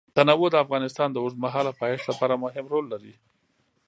تنوع د افغانستان د اوږدمهاله پایښت لپاره مهم رول لري.